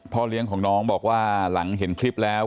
เลี้ยงของน้องบอกว่าหลังเห็นคลิปแล้ว